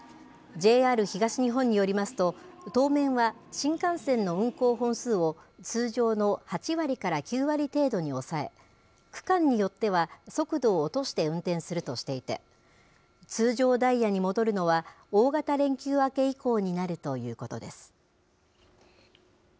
ＪＲ東日本によりますと、当面は、新幹線の運行本数を通常の８割から９割程度に抑え、区間によっては、速度を落として運転するとしていて、通常ダイヤに戻るのは、大型連休明け以降になるということです。